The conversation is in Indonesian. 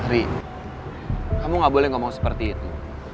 ri kamu gak boleh ngomong seperti itu